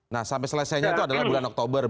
nah sampai selesainya itu adalah bulan oktober